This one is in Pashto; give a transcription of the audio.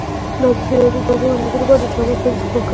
ازادي راډیو د د اوبو منابع لپاره د چارواکو دریځ خپور کړی.